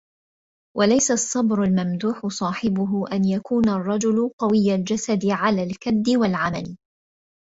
وَلَيْسَ الصَّبْرُ الْمَمْدُوحُ صَاحِبُهُ أَنْ يَكُونَ الرَّجُلُ قَوِيَّ الْجَسَدِ عَلَى الْكَدِّ وَالْعَمَلِ